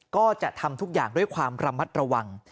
ก็จะทำทุกอย่างด้วยความระมัดระวัง